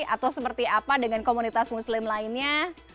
atau seperti apa dengan komunitas muslim lainnya